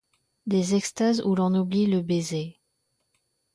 Des extases où l'on oublie le baiser.